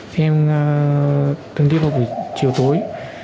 thì em từng đi vào buổi chiều tối